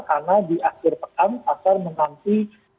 karena di akhir pekan pasar menghenti